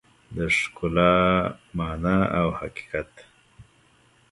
د ښکلا مانا او حقیقت